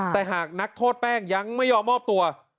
แต่หากนักโทษแป้งยังไม่ยอมมอบตัว